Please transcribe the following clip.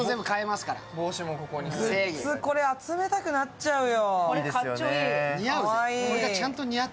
これ集めたくなっちゃうよ、かわいい。